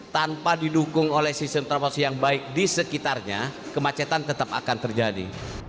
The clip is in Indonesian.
tanpa didukung oleh sistem transportasi yang baik di sekitarnya kemacetan tetap akan terjadi